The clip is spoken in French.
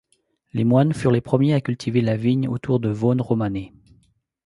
Les moines furent les premiers à cultiver la vigne autour de Vosne-Romanée.